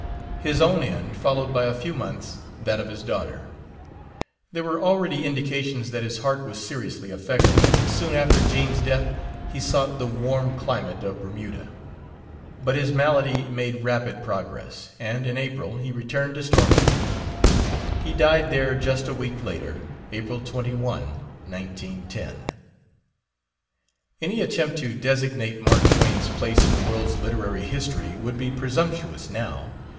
His own end followed by a few months that of his daughter. There were already indications that his heart was seriously affected, and soon after Jean's death he sought the warm climate of Bermuda. But his malady made rapid progress, and in April he returned to Stormfield. He died there just a week later, April 21, 1910. Any attempt to designate Mark Twain's place in the world's literary history would be presumptuous now.